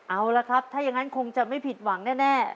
เอาละครับถ้าอย่างนั้นคงจะไม่ผิดหวังแน่